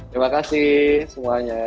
terima kasih semuanya